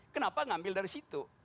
kenapa ngambil dari situ